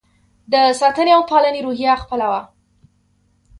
د ساتنې او پالنې روحیه خپله وه.